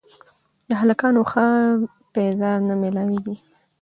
د هلکانو ښه پېزار نه مېلاوېږي